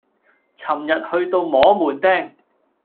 尋日去到摸門釘